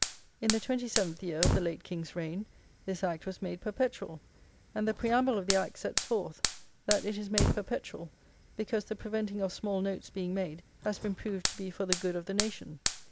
In the twenty seventh year of the late King's reign, this Act was made perpetual; and the preamble of the Act sets forth, that it is made perpetual, because the preventing of small notes being made has been proved to be for the good of the nation.